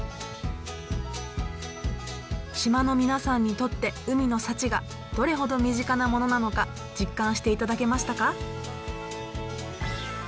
島の皆さんにとって海の幸がどれほど身近なものなのか実感していただけましたか？